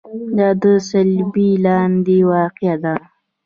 دا د صلبیې لاندې واقع ده.